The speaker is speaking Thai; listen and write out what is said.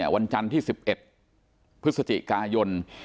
วันจันทร์ที่๑๑พฤศจิกายน